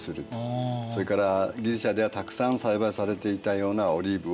それからギリシアではたくさん栽培されていたようなオリーブを輸出するという。